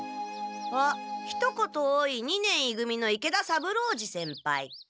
あひと言多い二年い組の池田三郎次先輩。